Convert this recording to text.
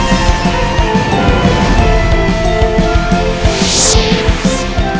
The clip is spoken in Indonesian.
aku harus menyelidikinya